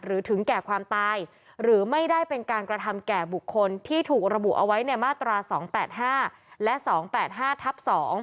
ถึงแก่ความตายหรือไม่ได้เป็นการกระทำแก่บุคคลที่ถูกระบุเอาไว้ในมาตรา๒๘๕และ๒๘๕ทับ๒